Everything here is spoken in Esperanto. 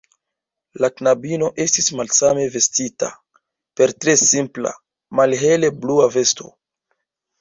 La knabino estis malsame vestita, per tre simpla, malhele blua vesto.